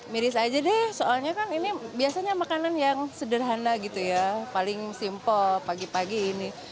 miris aja deh soalnya kan ini biasanya makanan yang sederhana gitu ya paling simple pagi pagi ini